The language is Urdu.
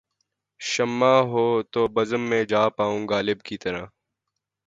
شمع ہوں‘ تو بزم میں جا پاؤں غالب کی طرح